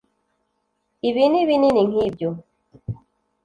ibi ni binini nkibyo